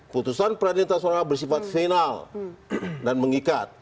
putusan peradilan tata soekarno bersifat final dan mengikat